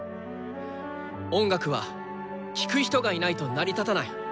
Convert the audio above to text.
音楽は聴く人がいないと成り立たない。